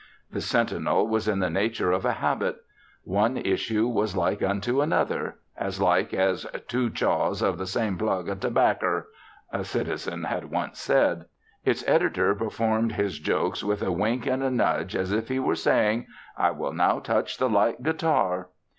The Sentinel was in the nature of a habit. One issue was like unto another as like as "two chaws off the same plug of tobaccer," a citizen had once said. Its editor performed his jokes with a wink and a nudge as if he were saying, "I will now touch the light guitar."